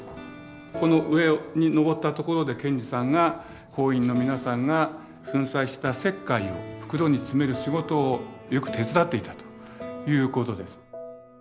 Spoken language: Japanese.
この上に上ったところで賢治さんが工員の皆さんが粉砕した石灰を袋に詰める仕事をよく手伝っていたということです。